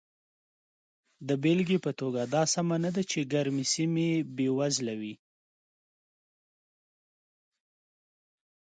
د بېلګې په توګه دا سمه نه ده چې ګرمې سیمې بېوزله وي.